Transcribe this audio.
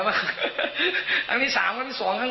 ครั้งที่สามครั้งที่สอง